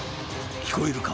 聞こえるか？